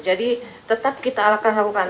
jadi tetap kita akan lakukan